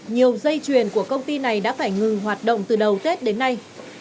nhiều dây chuyền của công ty này đã phải ngừng hoạt động từ đầu tết đến nay